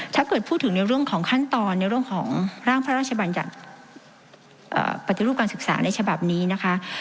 ถ้าเกิดพูดถึงในเรื่องของขั้นตอนในเรื่องของร่างพระราชบัญญัติปฏิรูปการศึกษาในฉบับนี้นะคะ